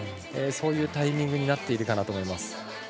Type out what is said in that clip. そういうタイミングになっているかなと思います。